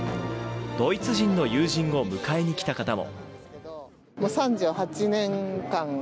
ドイツ人の友人を迎えに来た方も。